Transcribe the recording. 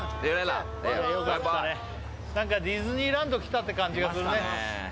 ディズニーランドに来たって感じがするね。